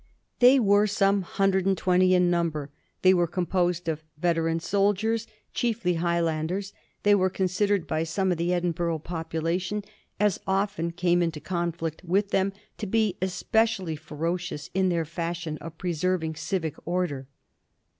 They were some 120 in num ber; they were composed of veteran soldiers, chiefly High landers; they were considered by such of the Edinburgh population as often came into conflict with them to be es pecially ferocious in their fashion of preserving civic or der.